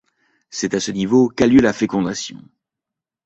C'est à ce niveau qu'a lieu la fécondation.